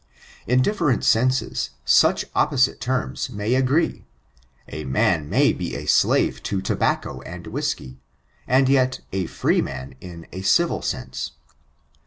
In different senses, such opposite terms may agree. A man may be a slave to tobacco and whisky, and yet a freeman, in a civil sense.